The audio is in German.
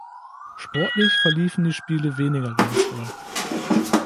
Sportlich verliefen die Spiele weniger glanzvoll.